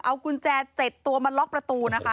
เอากุญแจ๗ตัวมาล็อกประตูนะคะ